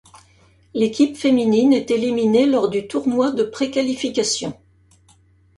L'équipe féminine est éliminée lors du tournoi de pré-qualification.